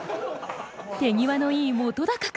手際のいい本君。